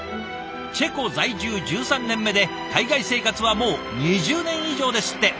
チェコ在住１３年目で海外生活はもう２０年以上ですって。